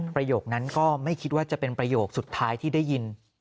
ประโยคนั้นก็ไม่คิดว่าจะเป็นประโยคสุดท้ายที่ได้ยิน